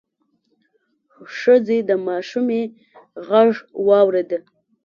ښځې د ماشومې غږ واورېد: